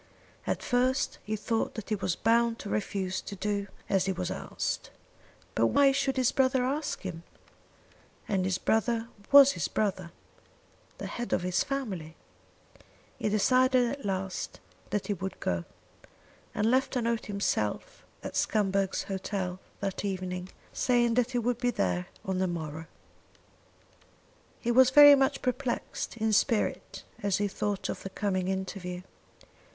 At first he thought that he was bound to refuse to do as he was asked. But why should his brother ask him? And his brother was his brother, the head of his family. He decided at last that he would go, and left a note himself at Scumberg's Hotel that evening, saying that he would be there on the morrow. He was very much perplexed in spirit as he thought of the coming interview.